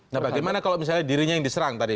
nah bagaimana kalau misalnya dirinya yang diserang tadi